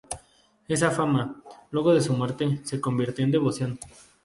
Esa fama, luego de su muerte, se convirtió en devoción.